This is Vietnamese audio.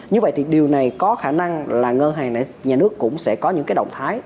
như vậy thì điều này có khả năng là ngân hàng nhà nước cũng sẽ có những cái động thái